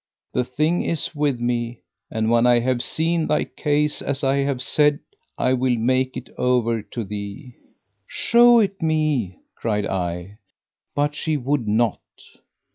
The thing is with me; and, when I have seen thy case as I have said, I will make it over to thee." "Show it me," cried I: but she would not.